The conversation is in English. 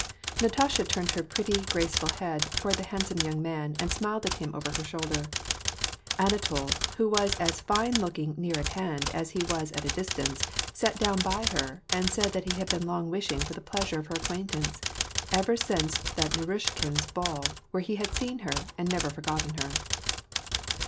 Natasha turned her pretty, graceful head toward the hand some young man, and smiled at him over her shoulder. Ana tol, who was as Hue looking near at hand as he was at a distance, sat down by her and said that he had been long wishing for the pleasui*e of her acquaintance, — ever since the Naruishkins' ball, where he had seen her, and never forgotten her.